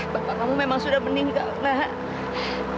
bapak kamu memang sudah meninggal